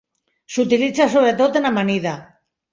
S'utilitza sobretot en amanida.